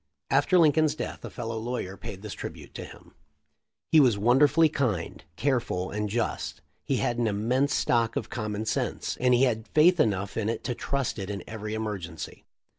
After Lincoln's death a fellow lawyer paid this tribute to him :* "He was wonderfully kind, careful, and just. He had an immense stock of common sense, and he had faith enough in it to trust it in every emergency. Mr.